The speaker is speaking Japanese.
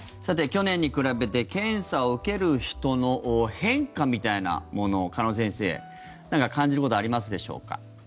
去年に比べて検査を受ける人の変化みたいなものを鹿野先生、何か感じることはありますでしょうか？